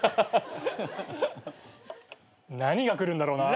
何が来るんだろうな？